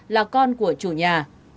là con của chủ nhà